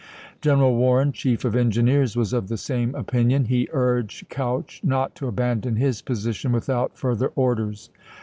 General Warren, Chief of Engineers, was of the same opin ion; he urged Couch not to abandon his position without further orders.